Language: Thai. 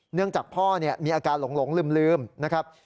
เนื่องจากพ่อมีอาการหลงลืมนะครับ